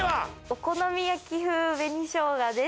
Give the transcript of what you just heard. お好み焼き風紅しょうがです。